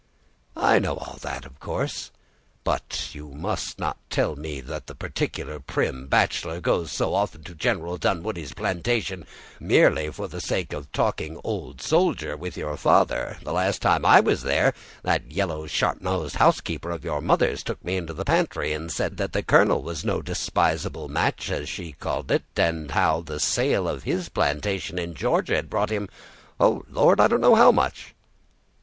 "I know all that, of course; but you must not tell me that the particular, prim bachelor goes so often to General Dunwoodie's plantation merely for the sake of talking old soldier with your father. The last time I was there, that yellow, sharp nosed housekeeper of your mother's took me into the pantry, and said that the colonel was no despisable match, as she called it, and how the sale of his plantation in Georgia had brought him—oh, Lord! I don't know how much."